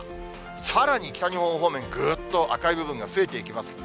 さらに北日本方面、ぐーっと赤い部分が増えていきます。